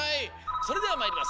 それではまいります。